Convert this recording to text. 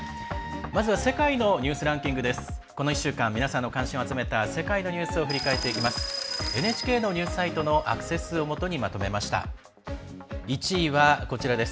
まずは「世界のニュースランキング」。この１週間皆さんの関心を集めた世界のニュースを振り返っていきます。